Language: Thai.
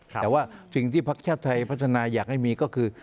แต่ว่าสิ่งที่พักชาติไทยพัฒนาอยากให้มีก็คือ